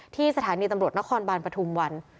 ที่สถานีตำรวจนครบานปฐุมวัน